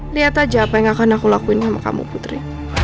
lihat aja apa yang akan aku lakuin sama kamu putri